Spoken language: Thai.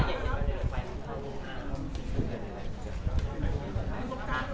อีกหนึ่งนั้นจะอ้างอีกหนึ่งนั้นจะหัวข้าง